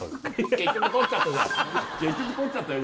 結局取っちゃったよ